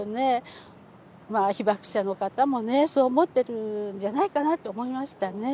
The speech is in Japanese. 被爆者の方もねそう思っているんじゃないかなと思いましたね。